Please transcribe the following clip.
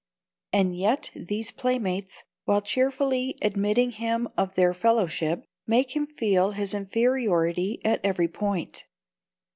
And yet these playmates, while cheerfully admitting him of their fellowship, make him feel his inferiority at every point.